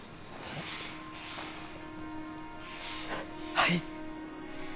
はい。